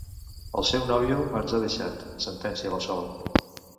El seu nòvio ens ha deixat —sentencia la Sol.